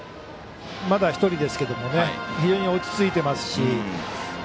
まだ１人ですけど非常に落ち着いてますし。